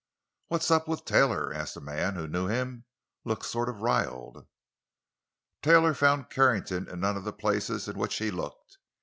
"What's up with Taylor?" asked a man who knew him. "Looks sort of riled." Taylor found Carrington in none of the places in which he looked.